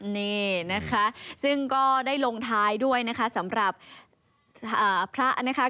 นี่นะคะซึ่งก็ได้ลงท้ายด้วยนะคะสำหรับพระนะคะ